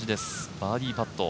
バーディーパット。